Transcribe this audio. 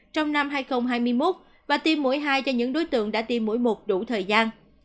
trong năm hai nghìn hai mươi một bà tiêm mũi hai cho những đối tượng đã tiêm mũi một đủ thời gian